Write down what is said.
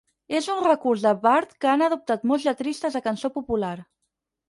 És un recurs de bard que han adoptat molts lletristes de cançó popular.